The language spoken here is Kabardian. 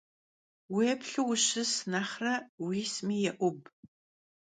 Vuêplhu vuşıs nexhre vuismi yê'ub.